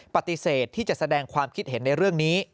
ปฏิเสธที่จะแสดงความคิดเห็นในเรื่องนี้